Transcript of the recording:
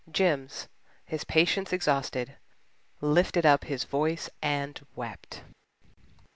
Jims, his patience exhausted, lifted up his voice and wept.